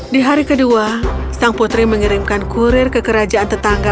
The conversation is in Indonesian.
di hari kedua sang putri mengirimkan kurir ke kerajaan tetangga